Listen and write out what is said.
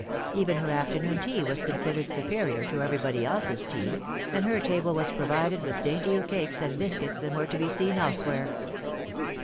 Even her after noon tea was considered superior to everybody's else's tea, and No Light. 163 her table was provided with daintier cakes and biscuits than were to be seen elsewhere.